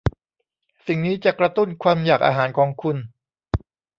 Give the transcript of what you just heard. สิ่งนี้จะกระตุ้นความอยากอาหารของคุณ